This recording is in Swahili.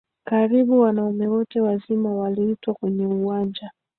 karibu wanaume wote wazima waliitwa kwenye uwanja